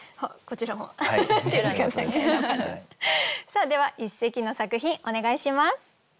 さあでは一席の作品お願いします。